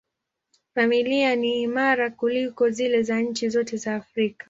Familia ni imara kuliko zile za nchi zote za Afrika.